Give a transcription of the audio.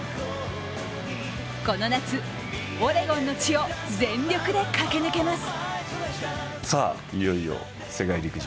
この夏、オレゴンの地を全力で駆け抜けます。